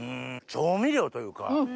調味料というか。